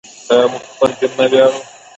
آیا موږ په خپل دین نه ویاړو؟